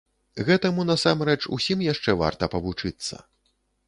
Гэтаму, насамрэч, усім яшчэ варта павучыцца.